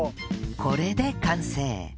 これで完成